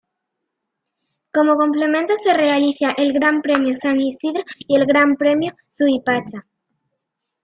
Como complemento se realiza el Gran Premio San Isidro y el Gran Premio Suipacha.